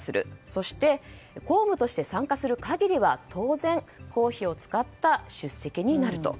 そして、公務として参加する限りは当然、公費を使った出席になると。